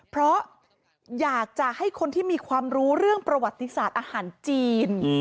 เพราะอยากจะให้คนที่มีความรู้เรื่องประวัติศาสตร์อาหารจีน